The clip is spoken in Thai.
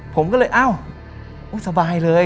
ผมก็เลยอ้าวสบายเลย